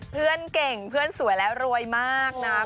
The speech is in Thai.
เพื่อนเก่งเพื่อนสวยแล้วรวยมากนะ